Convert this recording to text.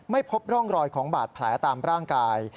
พบร่องรอยของบาดแผลตามร่างกาย